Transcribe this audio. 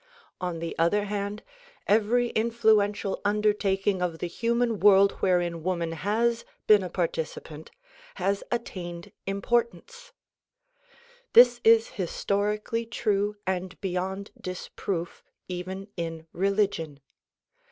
On the other hand, every influential undertaking of the human world wherein woman has 130 THE PROMULGATION OF UNIVERSAL PEACE been a participant has attained importance. This is historically true and beyond disproof even in religion.